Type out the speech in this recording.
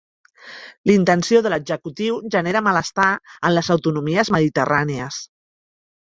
La intenció de l'executiu genera malestar en les autonomies mediterrànies